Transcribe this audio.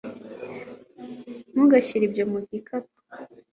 ntugashyire ibyo mu gikapu